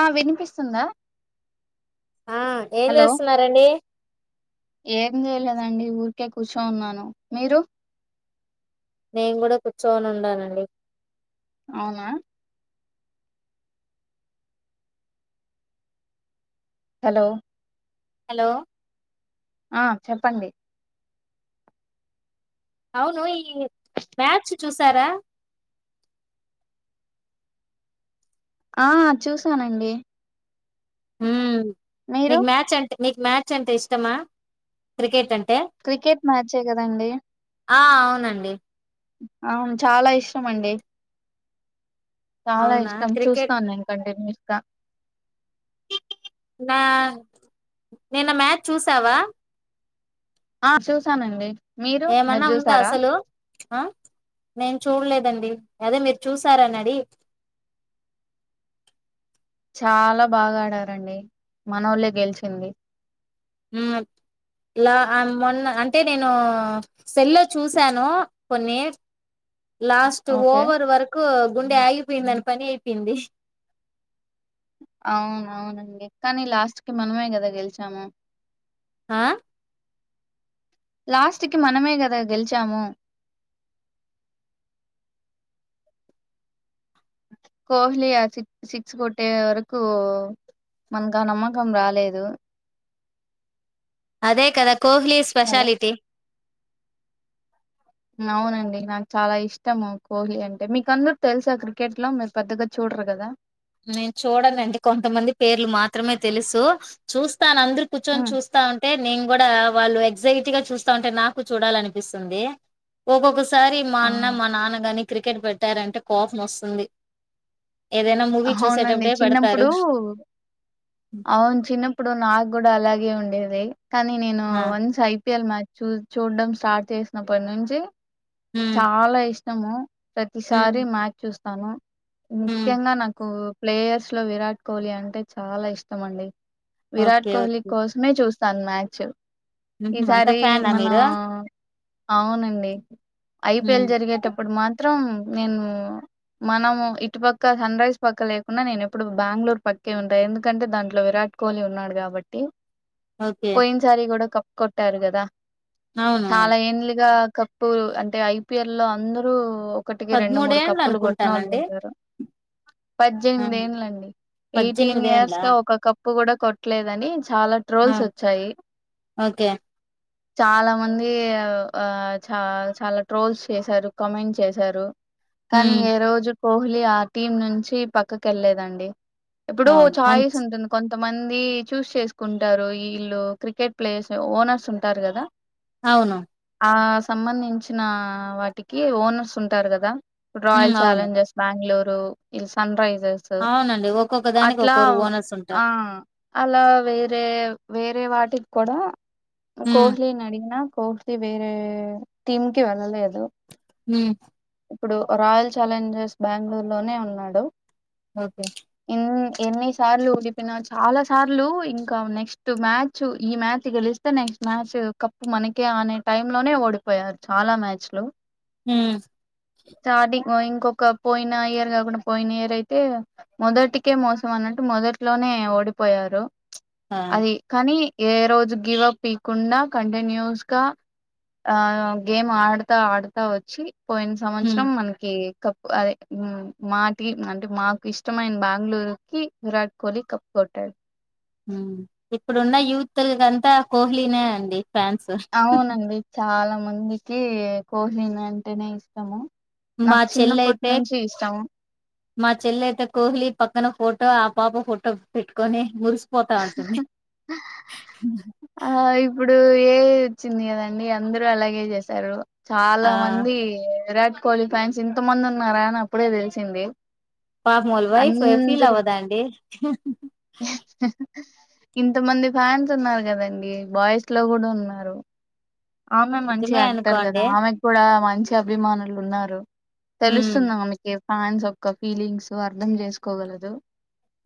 ఆ వినిపిస్తుందా ఆ ఏం హలో చేస్తున్నారండి ఏ దండి ఊరికే కూర్చోన్నాను మీరు నేను కూడా కూర్చోని ఉంనండి అవునా హలో హలో ఆ చెప్పండి అవును ఈ మ్యాచ్ చూసారా ఆ చూసానండి మీరు మీకు మ్యాచ్ అంటే మీకు మ్యాచ్ అంటే ఇష్టమా క్రికెట్ అంటే క్రికెట్ మ్యాచే కదండి ఆ అవునండి అవును చాలా ఇష్టం అండి చాలా అవునా ఇష్టం క్రికెట్ చూస్తాను నేను కంటిన్యూస్గా నా నేన్న మ్యాచ్ చూసావా ఆ చూసానండి మీరు మీరు ఏమన్నా ఉందా చూసారా అసలు ఆ నేను చూడలేదండి అదే మీరు చూసారన్నడి చాలా బాగా ఆడారండి మన ఒళ్ళ గెలిచింది హ లా మొన్న అంటే నేను సెల్ చూసాను కొన్ని లాస్ట్ ఓకే ఓవర్ వరకు గుండె ఆగిపోయిందిని పని అయిపోయింది అవునవునండి కానీ లాస్ట్ కి మనమే కదా గెలిచాము ఆ లాస్ట్ కి మనమే గద గెలిచాము కోహ్లీ సిక్స్ కోట్టే వరకు మనకు ఆ నమ్మకం రాలేదు అదే కదా కోహ్లీ హలో స్పెషాలిటీ అవునండి నాకు చాలా ఇష్టము కోహ్లీ అంటే మీకు అందరికి తెలుసా క్రికెట్ లో మీరు పెద్దగా చూడరెమో కదా నేను చూడనండి కొంతమంది పేర్లు మాత్రమే తెలుసు చూస్త అందరు కూర్చొని హ్మ్ చూస్తా ఉంటే నేను కూడా వాళ్ళు ఎగ్జైటీగా చూస్తా ఉంటే నాకు చూడాలనిపిస్తుంది ఒక్కొక్క సారి మా ఆ అన్న మా నాన్న గాని క్రికెట్ పెట్టారంటే కోపం వస్తుంది ఏదైనా మూవీ అవునండి చూసేటప్పుడే పెడతారు చిన్నప్పుడు అవును చిన్నప్పుడు నాకు కూడా అలాగే ఉండేది కానీ నేను ఆ! వన్స్ అయి ఐపిఎల్ మ్యాచ్ చూడడం స్టార్ట్ చేసినప్పటి నుంచి హ్మ్. చాలా ఇష్టము హ్మ్. ప్రతిసారి మ్యాచ్ చూస్తాను హ్మ్. ముఖ్యంగా నాకు ప్లేయర్స్ లో విరాట్ కోహ్లీ అంటే చాలా ఇష్టం అండి విరాట్ ఓకే. కోహ్లీ ఓకే. కోసమే చూస్త ను మ్యాచ్ హుహు. అంత ఈసారి ఫ్యానా మన మీరు? అవునండి హ్మ్. ఐపిఎల్ జరిగేటప్పుడు మాత్రం నేను మనము ఇటు పక్క సన్ రైజ్ పక్క లేకుండా నేను ఎప్పుడు బెంగళూరు పక్కే ఉంటా ఎందుకంటే దాంట్లో విరాట్ కోహ్లీ ఉన్నాడు కాబట్టి ఓకే. పోయినసారి కూడా కప్ కొట్టారు కదా అవునవును. చాలా యేండ్లు గా కప్పు అంటే ఐపిఎల్ లో అందరూ ఒకటికి రెండు మూడు ఏండ్లు కప్పులు కొట్టినోళ్ళు అనుకుంటానండి. ఉన్నరు ఆ! పద్దెనిమిద యేండ్లండి ఎయిటీన్ ఇయర్స్ ఏండ్లా? కప్పు కూడా కొట్టలేదని చాలా ఆ! ట్రోల్స్ వచ్చాయి ఓకే. చాలా మంది చాలా ట్రోల్స్ చేశారు కామెంట్ చేశారు కానీ హ్మ్. ఏ రోజు కోహ్లీ ఆ టీమ్ నుంచి పక్కకెళ్లలేదండి అ మంచిది కొంతమంది చూజ్ చేసుకుంటారు వీళ్ళు క్రికెట్ ప్లేయర్స్ ఓనర్స్ ఉంటారు కదా అవును ఆ సంబంధించిన వాటికి ఓనర్స్ ఉంటారు కదా హ్మ్. రాయల్ అవును. చాలెంజర్స్, బెంగుళూరు, సన్ రైజర్స్ అవునండి. ఒక్కొక్క దానికి అట్లా ఒక్కోరు ఓనర్స్ ఉంటారు. ఆ అలా వేరే వేరే వాటికి కూడా హ్మ్. కోహ్లీ నడిగిన కోహ్లీ వేరే టీమ్కి వెళ్ళలేదు మ్మ్ ఇప్పుడు రాయల్ ఛాలెంజర్స్ బెంగుళూరు లోనే ఉన్నాడు ఓకే ఎన్ ఎన్ని సార్లు చెప్పిన చాలా సార్లు ఇంకా నెక్స్ట్ మ్యాచ్ ఈ మ్యాచ్ గెలిస్తే నెక్స్ట్ మ్యాచ్ మనకే ఆనే టైం లోనే ఓడిపోయారు చాలా మ్యాచ్లు మ్మ్ స్టార్టింగ్ ఇంకొక పోయిన ఇయర్ కాకుండా పోయిన ఇయర్ అయితే మొదటికే మోసం అన్నట్టు మొదట్లోనే ఓడిపోయారు ఆ! అది కానీ ఏ రోజు గివ్ అప్ ఇయ్యకుండా కంటిన్యూస్ గా ఆ గేమ్ ఆడతా ఆడతా వచ్చి పోయిన హ్మ్. సంవత్సరం మనకి కప్పు అదే మాకి అంటే మాకు ఇష్టమైన బెంగళూరుకి విరాట్ కోహ్లీ కప్ కోట్టిండు ఇప్పుడున్న యూత్ వాళ్ళకి కోహ్లీనే అండి ఫాన్స్. అవునండి చాలా మందికి కోహ్లీ అంటేనే ఇష్టము మా నాకు చిన్నప్పటి చెల్లయితే నుంచి ఇష్టము. కోహ్లీ పక్కన ఫోటో దిగింది పాప ఫోటో పెట్టుకొని మురిసిపోతాం ఉంటుంది ఆ ఇప్పుడు ఏఐ వచ్చింది కదండి అందరూ అలాగే చేశారు ఆ! చాలా మంది విరాట్ కోహ్లీ ఫ్యాన్స్ ఇంత మంది ఉన్నారా అని అప్పుడే తెలిసింది పాపం వాళ్ళ వైఫ్ ఫీల్ అందరూ అవ్వదా అండి ఇంతమంది ఫ్యాన్స్ ఉన్నారు కదండి బాయ్స్ లో కూడా ఉన్నారు ఆమె మంచి నిజమే యాక్టర్ కదా అనుకోండి. ఆమెకి కూడా మంచి అభిమానులు ఉన్నారు హ్మ్. తెలుస్తుందా ఆమెకి ఫ్యాన్స్ యొక్క ఫీలింగ్స్ అర్థం చేసుకోగలదు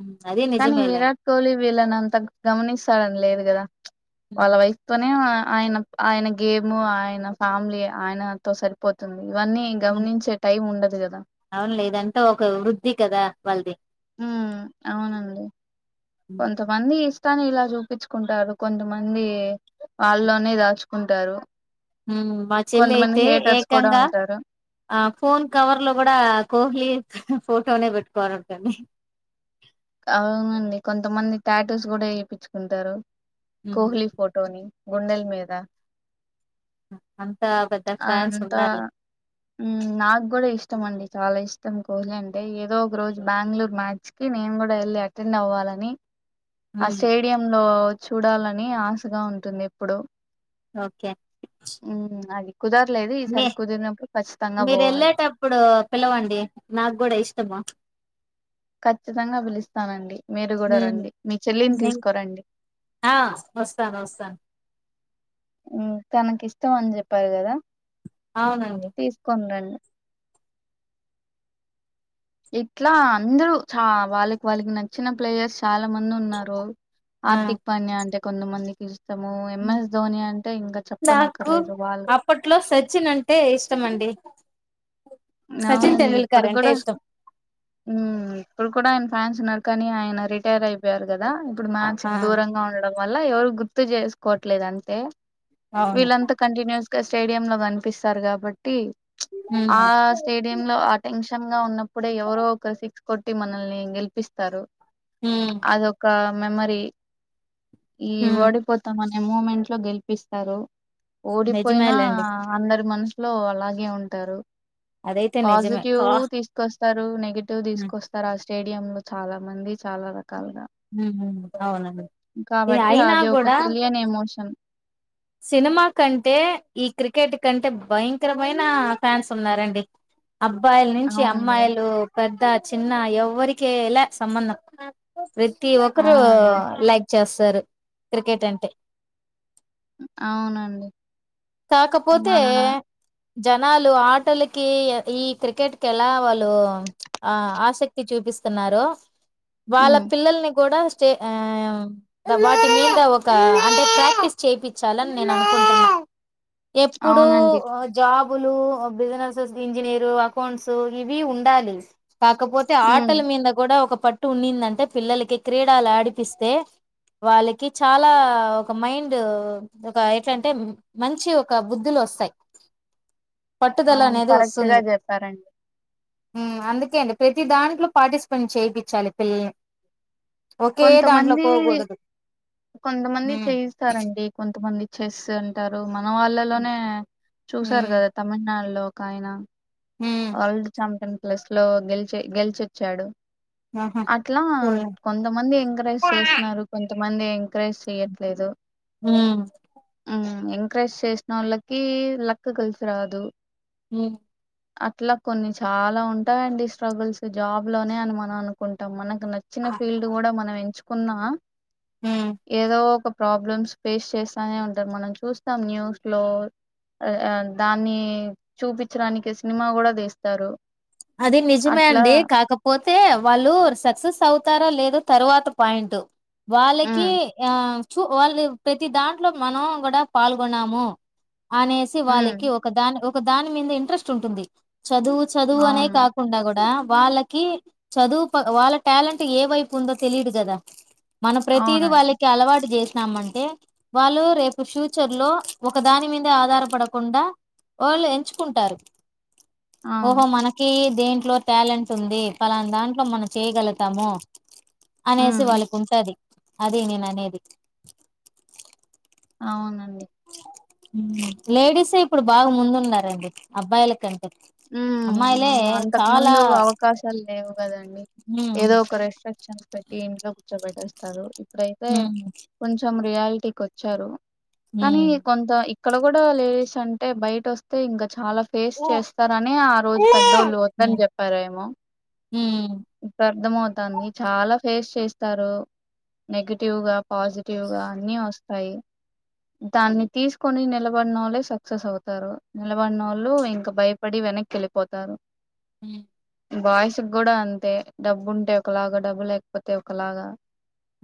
మ్ కానీ విరాట్ కోహ్లీ వీళ్ళని అంత గమనిస్తాడని లేదు కదా వాళ్ళ హ్మ్. వైస్తోనే ఆ ఆయన ఆయన గేమ్ ఆయన ఫ్యామిలీ ఆయనతో సరిపోతుం ఇవన్నీ గమనించే టైం ఉండదు కదా అవునులే ఇదంతా ఒక వృద్ధి కదా వాళ్ళది మ్ అవునండి ఉమ్ కొంతమంది త్తానిలా చూపించుకుంటారు కొంతమంది వాళ్ళలోనే దాచుకుంటారు మా చెల్లి కొంతమంది అయితే హేటర్స్ కూడా ఏకంగా ఉంటారు ఆ ఫోన్ కవర్ లో కూడా కోహ్లీ ఫోటోనే పెట్టుకోవాలంటుండి అవునండి కొంతమంది టాటోస్ కూడా చేయిించుకుంటారు ఉమ్ కోహ్లీ ఫోటోని గుండెల్ మీద అన్ అంతా మ్ నాకు కూడా ఇష్టమండి చాలా ఇష్ ష్టం కోహి అంటే ఏదో ఒక రోజు బెంగళూరు మ్యాచ్ కి నేను కూడా వెళ్ళి అటెండ్ అవ్వాలని ఆ ఉమ్ స్టేడియ లో చూడాలని ఆశగా ఉంటుంది ఎప్పుడు ఓకే మ్మ్ అది కుదరలేదు మీ ఈసారి కుదిరినప్పుడు ఖచ్చితంగా పోవాలి మీరేళ్ళేటప్పుడు పిలవండి నాకు కూడా ఇష్టము ఖచ్చితంగా పిలుస్తానండి మీరు కూడా ఉమ్ రండి మీ చెల్లిని నే- తీసుకో రండి ఆ ఒస్తానోస్ మ్ తనకిష్ ఇష్టం అని చెప్పారు కదా అవునండి తీసుకొని రండి ఇట్లా అందరూ చ వాళ్ళకి వాళ్ళకి నచ్చిన ప్లేయర్స్ చాల్ చాలా మంది ఉన్నారు ఆ ఆర్థిక్ పాండ్య అంటే కొంతమందికిష్ ఇష్టము ఉమ్. ఎంఎస్ ధోని అంటే ఇంకా నాకు చెప్పనక్కర్లేదు వాళ్ అప్పట్లో సచిన్ అంటే ఇష్టం అండి సచిన్ అవునండి ఇప్పుడు టెండూల్కర్ అంటే కూడా ఇష్టం ఇప్పుడు కూడా ఆయ ఫ్యాన్స్ ఉన్నారు కానీ ఆయన రిటైర్ అయిపోయారు కదా ఇప్పుడు ఆ మ్యాథచ్కి దూరంగా ఉండడం వల్ల ఎవరు గుర్తు చేసుకోవట్లేదంతె అవును వీళ్ళంతా కంటిన్యూస్ గా స్టేడియం లో కనిపిస్తారు కాబట్టి ఉమ్ ఆ స్ేడి లో ఆ టెన్షన్ గా ఉన్నప్పుడే ఎవరో ఒకరు సిక్స్ కొట్టి మనల్ని గెలిపిస్తారు ఉమ్ అదొక మెమరీ ఈ ఉమ్ ఓడిపోతామనే మూమెంట్ లో గెలిపిస్తారు ఓడిపోయినా నిజమేలేండి అందరి మనస్ లో అలాగే ఉంటారు అదైతే నిజమే కా పాజిటివ్ తీసుకొస్ స్తారు నెగిటివ్ హ్మ్ తీసుకొస్తారు ఆ స్టేడియం లో చాలా మంది చాల ర కాలుగా హ్మ్ అవునండి. ఇది కాబట్టి అయినా అది ఒక గూడా తెలియని ఎమోషన్ సినిమా కంటే ఈ క్రికెట్ కంటే భయంకరమైన ఫ్యాన్స్ ఉన్నారండి అబ్బాయిల నుంచి అవునండి అమ్మాయిలు పెద్ద చిన్న ఎవ్వరికిలే సంబంధం ప్రతి ఒక్కరు అవునండి లైక్ చేస్తారు క్రికెట్ అంటే అవునండి కాకపోతే మన జనాలు ఆటలకి ఈ క్రికెట్ కెళ వాళ్ళు ఆ ఆసక్తి చూ పిస్తున్నారో వాళ్ళ ఉమ్, పిల్లల్ని కూడా చే ఆ వాటి మీద ఒక అంటే ప్రాక్టీస్ చేపిచ్చాలని నేను అనుకుంటున్నా ఎప్పుడు అవునండి జాబ్ బులు బిజినెస్ ఇంజనీరు అకౌంట్స్ ఇవి ఉండాలి కాకపోతే ఉమ్, ఆటల మీద కూడా ఒక పట్టు ఉన్నిందంటే పిల్లలకి క్రీడాలు ఆడిపిస్తే వాళ్ళకి చాలా ఒక మైండ్ ఒక ఎటంటే మంచి ఒక బుద్ధులు వస్తాయి పట్టుదల అవును అనేది కరెక్ట్ గా వస్తుంది చెప్పారండి అందుకే అండి ప్రతి దాంట్లో పార్టిసిపెంట్ చేయి పించాలి పిల్లల్ని ఒకే దాంట్లో కొంతమంది పోకూడదు కొంతమంది ఉమ్ చేయిస్తారండి కొంతమంది చెస్ అంటారు మన వాళ్ళలోనే చూసారు ఉమ్ కదా తమిళనాడులో ఒక ఆయన ఉమ్ వరల్డ్ చాంపియన్ ప్లస్ లో గెలిచి గెలిచొచ్చాడు ఆహా అట్లా చూడండి. కొంతమంది ఎంకరేజ్ చేస్తున్నారు కొ మంది ఎంకరేజ్ చెయ్యట్లేదు హ్మ్ ఎంకరేజ్ చేసిన వోళ్ళకి లక్ కలిసి రాదు మ్ అట్లా కొన్ని చాలా ఉంటాయిండి స్ట్రగుల్స్ జాబ్ లోనే అని మనం అనుకుంటాం మన కి నచ్చిన ఫీల్డ్ కూడా మనం ఎంచుకున్నా ఉమ్ ఏదో ఒక ప్రాబ్లమ్స్ ఫేస్ చేస్తానే ఉంటారు మనం చూస్తాం న్యూస్ లో అ అ దాన్ని చూపించడానికి సినిమా కూడా తీస్తారు అది నిజమే అట్లా అండి కాకపో తే వాళ్ళు సక్సెస్ అవుతారా లేద తరువాత పాయింట్ వాళ్ళకి మ్మ్ ఆ చ వాళ్ళు ప్రతి దాంట్లో మనం కూడా పాల్గొన్నాము అనేసి మ్మ్ వాళ్ళకి ఒక దాని ఒక దాని మీద ఇంట్రెస్ట్ ఉంటుంది చదువు చదువు అనే అవును కాకుండా కూడా వాళ్ళకి చదువు వాళ్ళ టాలెంట్ ఏ వైపు ఉందో తెలిదు కదా మన ప్రతిదీ అవునండి వాళ్ళకి అలవాటు చేస్ నమంటే వాళ్ళు రేపు ఫ్యూచర్ లో ఒక దాని మీద ఆధారపడకుండా వోళ్ళు ఎంచుకుంటారు అవును. ఓహో మన కి దేంట్లో టాలెంట్ ఉంది ఫలానా దాంట్లో మనం చేయగలుగుతాము అనేసి హ్మ్. వాళ్ళకి ఉంటది అది నేననేది అవునండి లేడీసే ఇప్పుడు బాగా ముందున్నారండి అబ్బాయిలకం ఉమ్ అంతకు ముందు అవకాశాలు లేవు కదండి హ్మ్ ఏదో ఒక రెస్ట్రిక్షన్స్ పెట్టి ఇంట్లో కూర్చోబెట్టేస్తారు ఇప్పుడైతే హ్మ్ కొంచెం రియాలిటికొచ్చారు కానీ హ్మ్ కొంత ఇక్కడ కూడా లేడీస్ అంటే బయట వస్తే ఇంకా చాలా ఫేస్ చేస్ కాని ఆ రోజు పెద్దోళ్ళు వద్దని హ్మ్ చెప్పారేమో హ్మ్ అర్థం అవుతాంది చాలా ఫేస్ చేస్తారు నెగిటివ్గా పాజిటివ్గా అన్ని వస్తాయి దాన్ని తీసుకొని నిలబడిన వోళ్ళే సక్సెస్ అవుతారు నిలబడిన వోళ్ళు ఇంకా భయ పడి వెనక్కి వెళ్ళిపోతారు మ్ బాయ్స్ గూడా అంతే డబ్బు ఉంటే ఒకలాగా డబ్బు లేకపోతే ఒకలాగా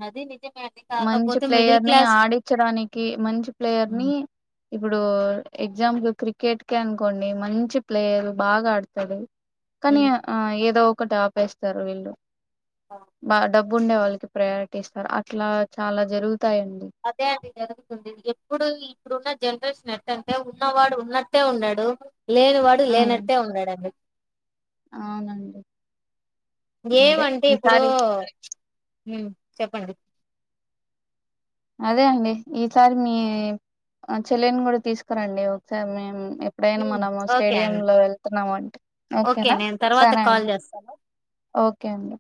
అది నిజమే అండి. మంచి కాకపోతే మిడిల్ ప్లేయర్ ని క్లాస్ ఆడించడానిక్ కి మంచి ప్లేయర్ ని హ్మ్ ఇప్పుడు ఎగ్జాంపుల్ క్రికెట్కె అనుకోండి మంచి ప్లేయర్ బాగా ఆడతాడు కానీ హ్మ్ ఆ ఏదో ఒకటి ఆపేస్తారు వీళ్ళు బ డబ్బు ఉండే వాళ్ళకి ప్రయారిటీ ఇస్తారు అట్లా చాలా జరుగుతు అదే అండి జరుగుతుంది ఎప్పుడు ఇప్పుడున్న జనరల్స్ ఎం టంటే ఉన్నవాడు ఉన్నట్టే ఉన్నాడు లేనివాడు ఉమ్, లేనట్టే ఉన్నాడు అండి అవునండి అదే ఏవంటే ఇప్పుడూ ఈసారి ఉ చెప్పండి అదే అండి ఈసారి మీ చెల్లెని గూడా తీసుకురండి ఒకసారి మేము ఎప్పుడైనా హ్మ్ మనము ఓకే స్టేడియం అండి. లో వెళ్తున్నాము అంటే ఓకే నేను తర్వాత కాల్ చేస్తాను. అండి